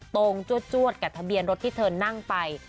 ตรงจวดกับทะเบียนรถที่เธอนั่งไป